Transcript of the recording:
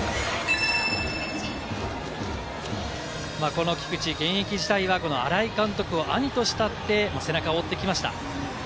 この菊池、現役時代は新井監督を兄と慕って、背中を追ってきました。